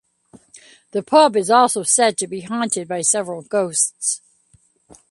The pub is also said to be haunted by several ghosts.